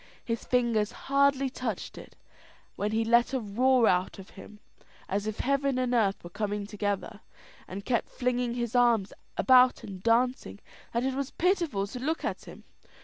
His fingers hardly touched it, when he let a roar out of him as if heaven and earth were coming together, and kept flinging his arms about and dancing, that it was pitiful to look at him.